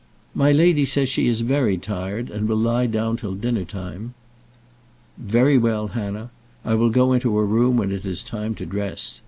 "My lady says she is very tired, and will lie down till dinner time." "Very well, Hannah. I will go into her room when it is time to dress.